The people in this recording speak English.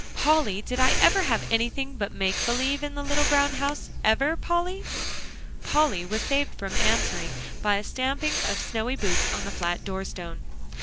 "Polly, did I ever have anything but make believe in the little brown house; ever, Polly?" Polly was saved from answering by a stamping of snowy boots on the flat doorstone.